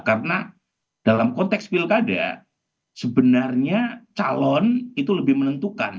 karena dalam konteks pilkada sebenarnya calon itu lebih menentukan